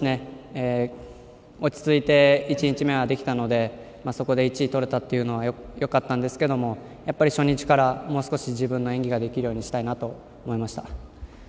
落ち着いて１日目はできたのでそこで１位とれたというのはよかったんですけども初日からもう少し自分の演技ができるようにしたいと思いました。